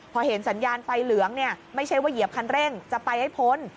พอเห็นสัญญาณไฟเหลืองเนี่ยไม่ใช่ว่าเหยียบคันเร่งจะไปให้พ้น